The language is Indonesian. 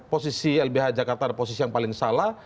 posisi lbh jakarta adalah posisi yang paling salah